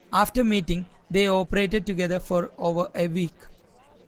After meeting, they operated together for over a week.